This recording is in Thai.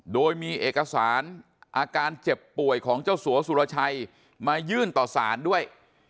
โดยมีเอกสารอาการเจ็บป่วยของเจ้าสัวสุรชัยมายื่นต่อสารด้วย